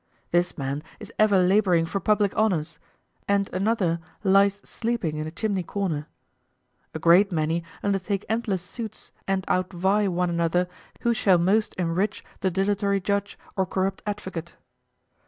This man is ever laboring for public honors, and another lies sleeping in a chimney corner. A great many undertake endless suits and outvie one another who shall most enrich the dilatory judge or corrupt advocate.